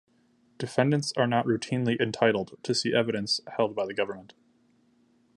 Defendants are not routinely entitled to see evidence held by the government.